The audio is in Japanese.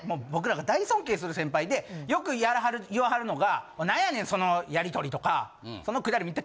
僕らが大尊敬する先輩でよく言わはるのが「なんやねんそのやりとり」とかそのくだり